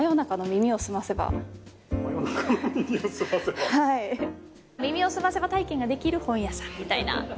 『耳をすませば』体験ができる本屋さんみたいな。